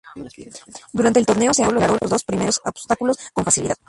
Durante el torneo, se aclaró los dos primeros obstáculos con facilidad.